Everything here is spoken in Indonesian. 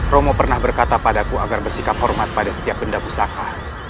romo pernah berkata padaku agar bersikap hormat pada setiap benda pusaka